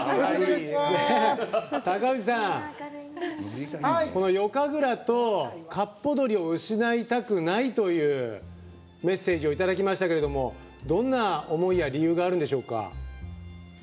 高藤さん夜神楽とかっぽ鶏を失いたくないというメッセージをいただきましたけれどもどんな思いや理由があるんでしょうか？